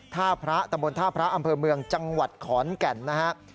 ท่าพระตำบลท่าพระอำเภอเมืองจังหวัดขอนแก่นนะครับ